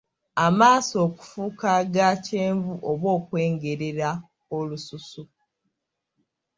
Amaaso okufuuka aga kyenvu oba okwengerera olususu.